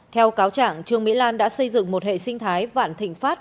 theo cáo trạng trương mỹ lan đã xây dựng một hệ sinh thái vạn thịnh pháp